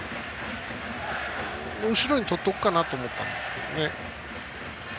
後ろにとっておくかなと思ったんですけどね。